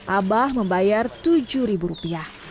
abah membayar tujuh rupiah